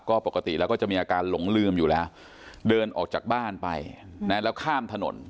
ก็ปกติแล้วก็จะมีอาการหลงลืมอยู่แล้วเดินออกจากบ้านไปแล้วข้ามถนน